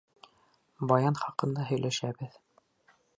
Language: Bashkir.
Баян хаҡында һөйләшәбеҙ.